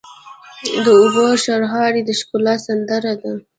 د اوبو شرهاری د ښکلا سندره ده.